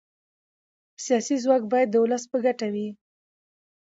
سیاسي ځواک باید د ولس په ګټه وي